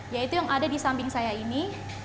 yaitu yang ada di samping saya ini